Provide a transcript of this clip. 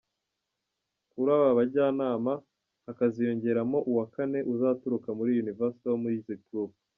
Kuri aba bajyanama hakaziyongeramo uwa kane uzaturuka muri Universal Music Group.